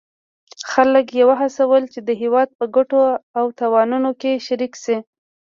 خلک یې وهڅول چې د هیواد په ګټو او تاوانونو کې شریک شي.